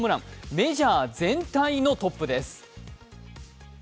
メジャー全体のトップです。